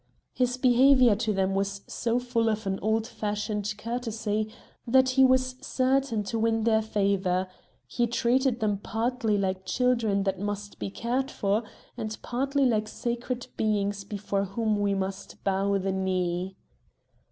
His behavior to them was so full of an old fashioned courtesy that he was certain to win their favor; he treated them partly like children that must be cared for, and partly like sacred beings before whom we must bow the knee.